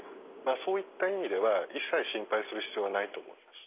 そういった意味では一切心配する必要はないと思います。